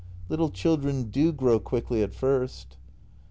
Little children do grow quickly at first.